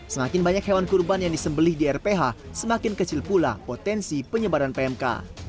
semakin banyak hewan kurban yang disembeli di rph semakin kecil pula potensi penyebaran pmk